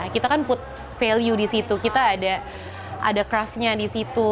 jadi kita ada value di situ kita ada craft nya di situ